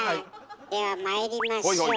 ではまいりましょう。